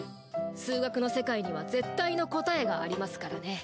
数学の世界には絶対の答えがありますからね。